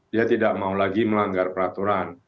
dia tidak mau lagi melanggar peraturan